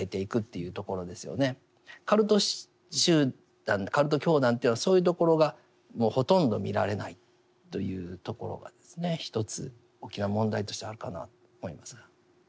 カルト集団カルト教団というのはそういうところがほとんど見られないというところがですね一つ大きな問題としてあるかなと思いますが。